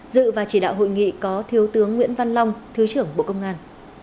dự và chỉ đạo hội nghị có thiếu tướng nguyễn văn long thứ trưởng bộ công an